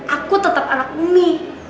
aku tetap anak umi